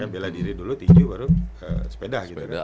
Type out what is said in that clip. bela diri dulu tinju baru sepeda gitu kan